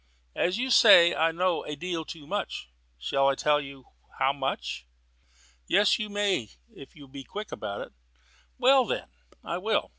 "As you say, I know a deal too much. Shall I tell you how much?" "Yes, you may if you'll be quick about it." "Very well, then, I will.